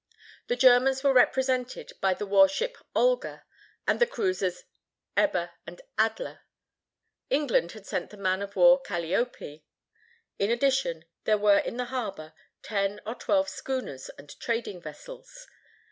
The Germans were represented by the warship Olga, and the cruisers Eber and Adler. England had sent the man of war Calliope. In addition, there were in the harbor ten or twelve schooners and trading vessels.